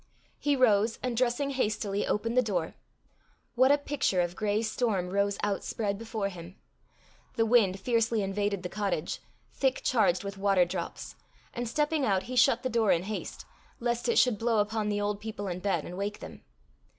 He rose, and, dressing hastily, opened the door. What a picture of grey storm rose outspread before him! The wind fiercely invaded the cottage, thick charged with water drops, and stepping out he shut the door in haste, lest it should blow upon the old people in bed and wake them.